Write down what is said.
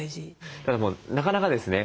ただなかなかですね